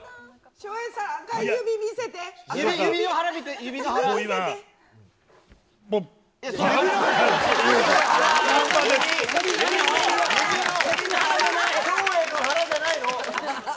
照英さんの腹じゃないの。